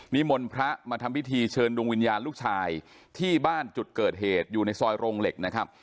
มนต์พระมาทำพิธีเชิญดวงวิญญาณลูกชายที่บ้านจุดเกิดเหตุอยู่ในซอยโรงเหล็กนะครับ